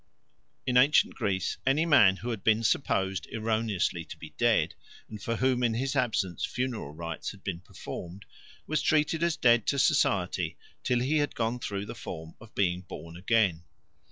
In ancient Greece any man who had been supposed erroneously to be dead, and for whom in his absence funeral rites had been performed, was treated as dead to society till he had gone through the form of being born again.